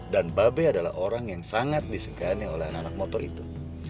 dan babe adalah orang yang sangat disengkanya oleh anak anak motor itu